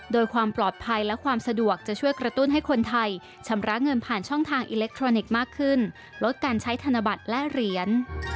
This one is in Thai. โดยความปลอดภัยและความสะดวกจะช่วยกระตุ้นให้คนไทยชำระเงินผ่านช่องทางอิเล็กทรอนิกส์มากขึ้นลดการใช้ธนบัตรและเหรียญ